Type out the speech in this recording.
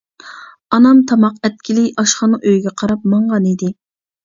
ئانام تاماق ئەتكىلى ئاشخانا ئۆيگە قاراپ ماڭغان ئىدى.